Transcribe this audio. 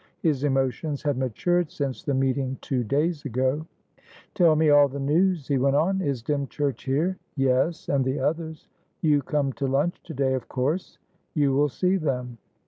His emotions had matured since the meeting two days ago. "Tell me all the news," he went on. "Is Dymchurch here?" "Yes. And the others. You come to lunch to day, of course? You will see them."